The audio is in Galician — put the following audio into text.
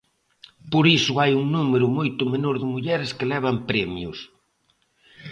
Por iso hai un número moito menor de mulleres que levan premios.